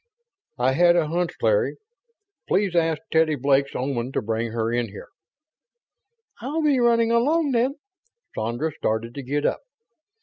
"I had a hunch. Larry, please ask Teddy Blake's Oman to bring her in here...." "I'll be running along, then." Sandra started to get up.